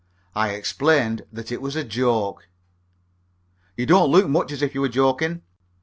I explained that it was a joke. "You don't look much as if you were joking."